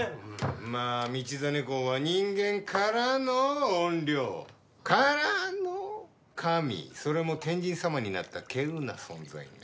まあ道真公は人間からの怨霊からの神それも天神様になった稀有な存在ね。